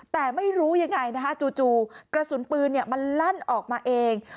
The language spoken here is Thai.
แต่ไม่รู้ยังไงนะคะจู่กระสุนปืนมันลั่นออกมาเอง